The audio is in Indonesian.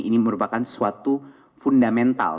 ini merupakan suatu fundamental